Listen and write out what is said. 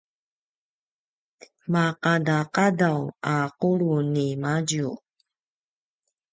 maqadaqadaw a qulu ni madju